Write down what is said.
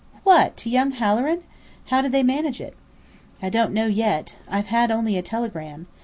"What, to young Halloran? How did they manage it?" "I don't know yet. I've had only a telegram.